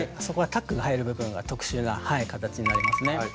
そこはタックが入る部分が特殊な形になりますね。